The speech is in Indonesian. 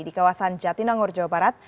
di kawasan jatinangor jawa barat